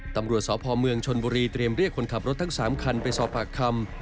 ตำรวจสพเมืองชนบุรีเตรียมเรียกคนขับรถทั้ง๓คันไปสอบปากคำ